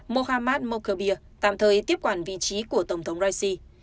mohammad mochabir tạm thời tiếp quản vị trí của tổng thống raisi